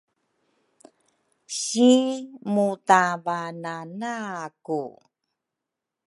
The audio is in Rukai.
si mutavanana ku